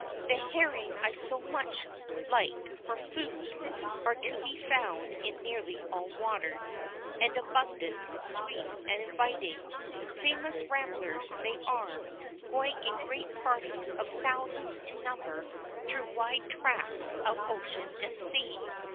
The herring I so much like for food are to be found in nearly all waters, and abundant, sweet, and inviting. Famous ramblers they are, going in great parties of thousands in number, through wide tracts of ocean and sea.